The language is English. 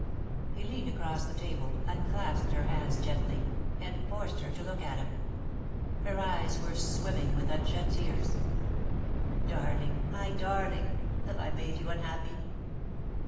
He leaned across the table, unclasped her hands gently, and forced her to look at him. Her eyes were swimming with unshed tears. "Darling! My darling! Have I made you unhappy?"